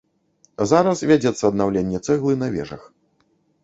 Зараз вядзецца аднаўленне цэглы на вежах.